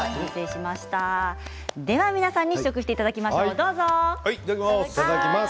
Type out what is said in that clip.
では皆さんに試食していただきましょういただきます。